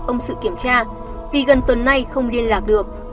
ông sự kiểm tra vì gần tuần nay không liên lạc được